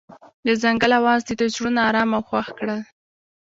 د ځنګل اواز د دوی زړونه ارامه او خوښ کړل.